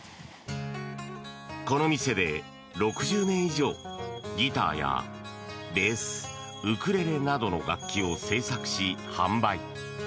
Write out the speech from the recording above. この店で６０年以上ギターやベース、ウクレレなどの楽器を製作し販売。